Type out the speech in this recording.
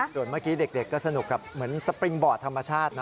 ส่วนเมื่อกี้เด็กก็สนุกกับเหมือนสปริงบอร์ดธรรมชาตินะ